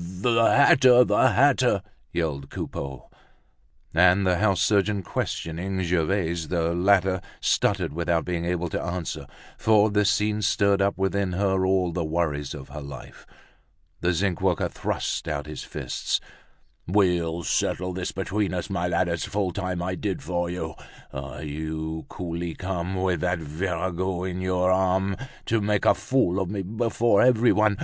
"The hatter! The hatter!" yelled Coupeau. And the house surgeon questioning Gervaise, the latter stuttered without being able to answer, for this scene stirred up within her all the worries of her life. The zinc worker thrust out his fists. "We'll settle this between us, my lad. It's full time I did for you! Ah, you coolly come, with that virago on your arm, to make a fool of me before everyone. Well!